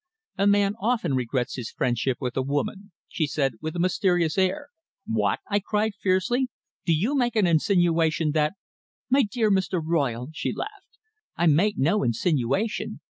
"A man often regrets his friendship with a woman," she said, with a mysterious air. "What!" I cried fiercely. "Do you make an insinuation that " "My dear Mr. Royle," she laughed, "I make no insinuation.